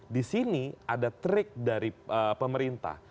disini ada trik dari pemerintah